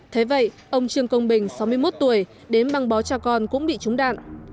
thế vậy ông trương công bình sáu mươi một tuổi đến băng bó cha con cũng bị trúng đạn